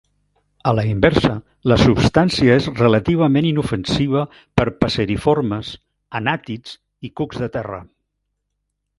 A la inversa, la substància és relativament inofensiva per passeriformes, anàtids i cucs de terra.